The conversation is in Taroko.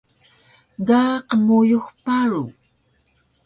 Ga qmuyux paru